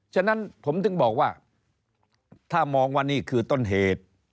ฉะนั้นผมถึงบอกว่าถ้ามองว่านี่คือต้นเหตุ